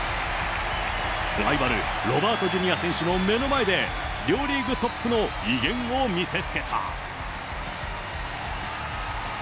ライバル、ロバート・ジュニア選手の目の前で、両リーグトップの威厳を見せつけた。